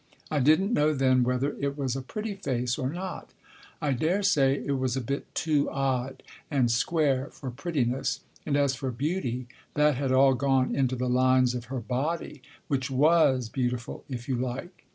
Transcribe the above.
I didn't know then whether it was a pretty face or not. I daresay it was a bit too odd and square for prettiness, and, as for beauty, that had all gone into the lines of her body (which was beautiful, if you like).